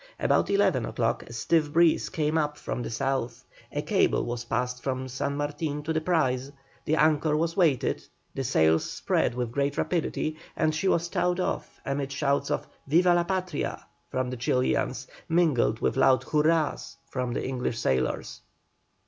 About eleven o'clock a stiff breeze came up from the south, a cable was passed from the San Martin to the prize, the anchor was weighed, the sails spread with great rapidity, and she was towed off amid shouts of "Viva la Patria!" from the Chilians, mingled with loud "hurrahs" from the English sailors.